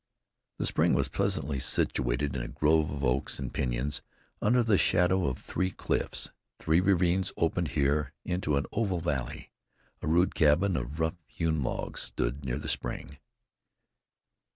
The spring was pleasantly situated in a grove of oaks and Pinyons, under the shadow of three cliffs. Three ravines opened here into an oval valley. A rude cabin of rough hewn logs stood near the spring.